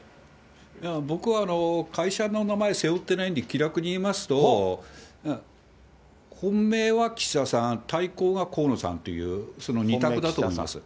いや僕は会社の名前背負ってないんで、気楽に言いますと、本命は岸田さん、対抗が河野さんという、その２択だと思います。